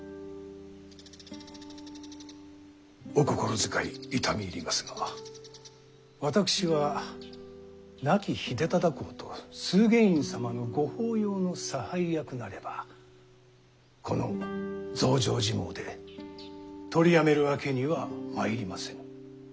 お心遣い痛み入りますが私は亡き秀忠公と崇源院様のご法要の差配役なればこの増上寺詣取りやめるわけにはまいりませぬ。